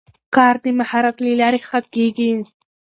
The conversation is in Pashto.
کار د مهارت له لارې ښه کېږي